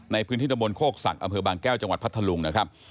ในพื้นที่ตะบนโคกศักดิ์อำเภอบางแก้วจังหวัดพัทธลุงนะครับ